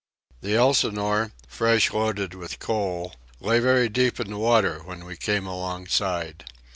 The Elsinore, fresh loaded with coal, lay very deep in the water when we came alongside.